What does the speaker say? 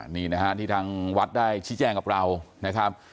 นี่นะฮะที่ทางวัดได้ชี้แจ้งกับเรานะครับ